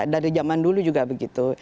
dari zaman dulu juga begitu